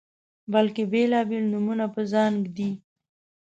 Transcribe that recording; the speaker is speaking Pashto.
بلکې بیلابیل نومونه په ځان ږدي